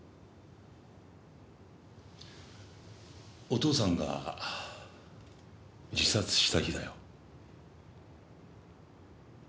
お父さんが自殺した日だよ。